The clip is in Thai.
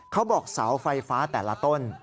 เขาบอกเสาไฟฟ้าแต่ละต้น